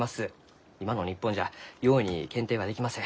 今の日本じゃ容易に検定はできません。